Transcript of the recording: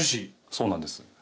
そうなんです。